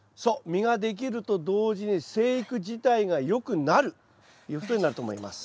実ができると同時に生育自体がよくなるということになると思います。